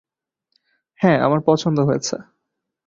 হ্যাঁ, আমার পছন্দ হয়েছে।